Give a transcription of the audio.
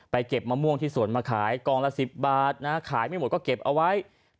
เก็บมะม่วงที่สวนมาขายกองละ๑๐บาทนะขายไม่หมดก็เก็บเอาไว้